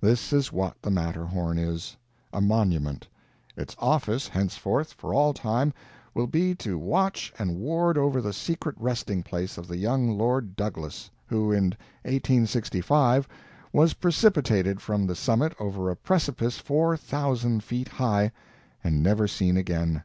This is what the Matterhorn is a monument. Its office, henceforth, for all time, will be to keep watch and ward over the secret resting place of the young Lord Douglas, who, in 1865, was precipitated from the summit over a precipice four thousand feet high, and never seen again.